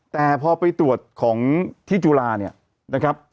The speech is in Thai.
แต่พอไปตรวจของที่จุฬาเนี่ยนะครับ